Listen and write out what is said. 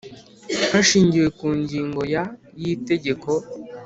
Hashingiwe ku ngingo ya y Itegeko